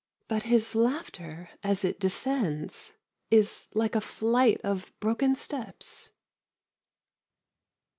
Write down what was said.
But his laughter as it descends is like a flight of broken steps.